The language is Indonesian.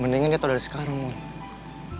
mendingan dia tahu dari sekarang mohon